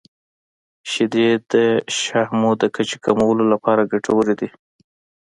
• شیدې د شحمو د کچې کمولو لپاره ګټورې دي.